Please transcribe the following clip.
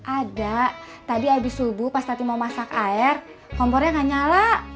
ada tadi abis subuh pas tadi mau masak air kompornya gak nyala